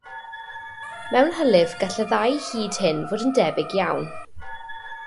Mewn hylif gall y ddau hyd hyn fod yn debyg iawn.